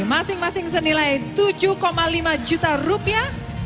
masing masing senilai tujuh lima juta rupiah